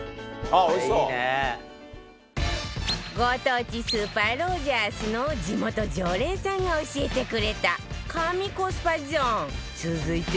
ご当地スーパーロヂャースの地元常連さんが教えてくれた神コスパゾーン続いては